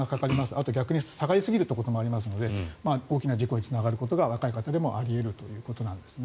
あと逆に下がりすぎるということもありますので大きな事故につながることが若い方でもあり得るということなんですね。